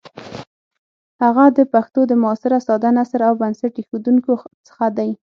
هغه د پښتو د معاصر ساده نثر له بنسټ ایښودونکو څخه دی.